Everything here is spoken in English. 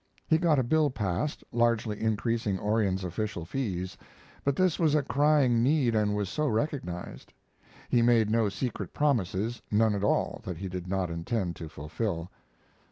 He got a bill passed, largely increasing Orion's official fees, but this was a crying need and was so recognized. He made no secret promises, none at all that he did not intend to fulfill.